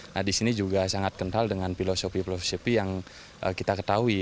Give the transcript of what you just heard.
nah di sini juga sangat kental dengan filosofi filosofi yang kita ketahui